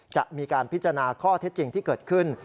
จะมีการพิจารณาข้อเท็จจริงที่เกิดขึ้น